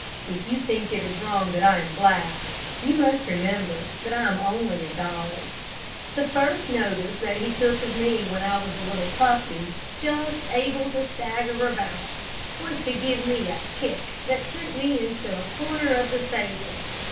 If you think it is wrong that I am glad, you must remember that I am only a dog. The first notice that he took of me when I was a little puppy, just able to stagger about, was to give me a kick that sent me into a corner of the stable.